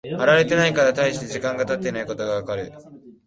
貼られてから大して時間が経っていないことがわかる。